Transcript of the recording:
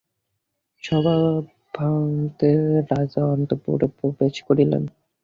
সভাভঙ্গান্তে রাজা অন্তঃপুরে প্রবেশ করিলেন।